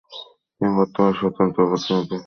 তিনি বর্তমানে স্বতন্ত্র প্রতিনিধি।